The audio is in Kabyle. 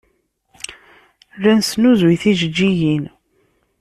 La nesnuzuy tijeǧǧigin.